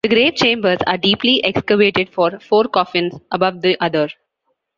The grave chambers are deeply excavated for four coffins above the other.